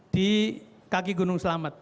di kaki gunung selamat